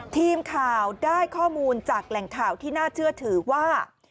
ทีมข่าวได้ข้อมูลจากแหล่งข่าวที่น่าเชื่อถือว่า